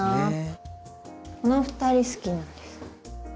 この２人好きなんです。